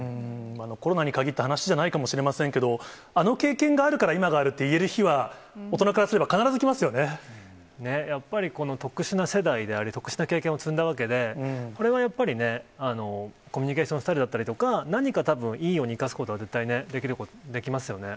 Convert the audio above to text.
コロナに限った話じゃないかもしれないけど、あの経験があるから今があるって言える日は、大人からすれば、やっぱり、この特殊な世代であり、特殊な経験を積んだわけで、これはやっぱりね、コミュニケーションスタイルだったりとか、何かたぶんいいように生かすことが絶対できますよね。